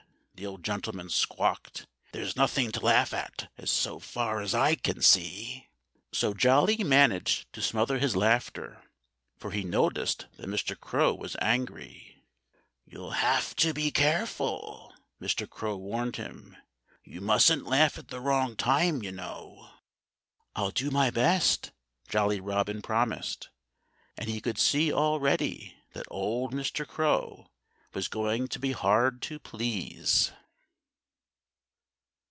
the old gentleman squawked. "There's nothing to laugh at, so far as I can see." So Jolly managed to smother his laughter, for he noticed that Mr. Crow was angry. "You'll have to be careful," Mr. Crow warned him. "You mustn't laugh at the wrong time, you know." "I'll do my best," Jolly Robin promised. And he could see already that old Mr. Crow was going to be hard to please.